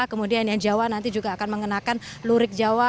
kemudian yang jawa nanti juga akan mengenakan lurik jawa